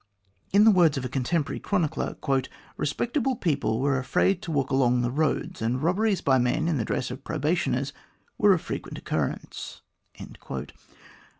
In the words of a contemporary chronicler :" Respect able people were afraid to walk along the roads, and robberies by men in the dress of probationers were of frequent occur rence."